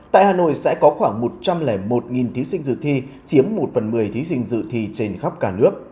tại hà nội sẽ có khoảng một trăm linh một thí sinh dự thi chiếm một phần một mươi thí sinh dự thi trên khắp cả nước